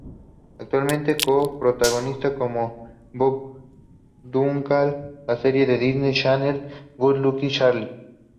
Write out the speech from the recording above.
Actualmente co-protagoniza como Bob Duncan la serie de Disney Channel, "Good Luck Charlie".